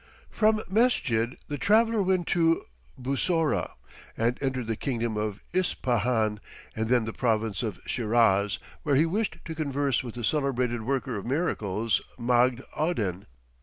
From Mesjid, the traveller went to Bussorah, and entered the kingdom of Ispahan, and then the province of Shiraz, where he wished to converse with the celebrated worker of miracles, Magd Oddin.